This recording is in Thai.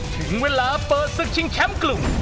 ถึงเวลาเปิดศึกชิงแชมป์กลุ่ม